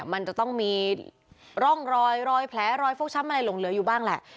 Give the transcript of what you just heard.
มันจะต้องมีร่องรอยรอยแผลรอยฟกช้ำอะไรหลงเหลืออยู่บ้างแหละ